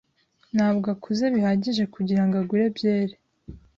ntabwo akuze bihagije kugirango agure byeri.